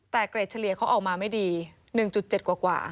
แต่เกรดเฉลี่ยเขาออกมาไม่ดี๑๗กว่า